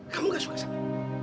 kamu gak suka sama